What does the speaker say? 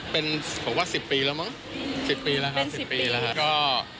เป็นผมว่า๑๐ปีแล้วมั้ง๑๐ปีแล้วครับ๑๐ปีแล้วครับ